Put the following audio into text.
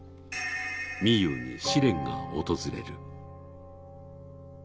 みゆうに試練が訪れる。